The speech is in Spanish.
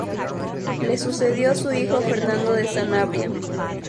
Le sucedió su hijo Fernando de Sanabria.